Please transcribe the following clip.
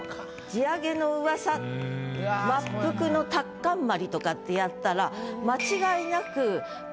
「地上げの噂末伏のタッカンマリ」とかってやったら間違いなく。